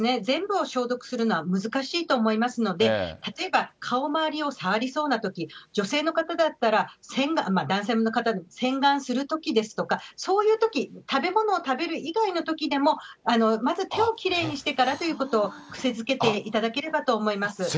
全部を消毒するのは、難しいと思いますので、例えば、顔まわりを触りそうなとき、女性の方だったら、洗顔、男性の方も、洗顔するときですとか、そういうとき、食べ物を食べる以外のときでも、まず、手をきれいにしてからというのを癖づけていただければと思います。